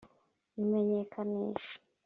imenyekanisha